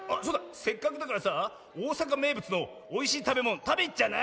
せっかくだからさあおおさかめいぶつのおいしいたべものたべにいっちゃわない？